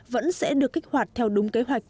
vẫn sẽ được kích hoạt theo đúng kế hoạch